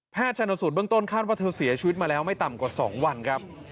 ชนสูตรเบื้องต้นคาดว่าเธอเสียชีวิตมาแล้วไม่ต่ำกว่า๒วันครับ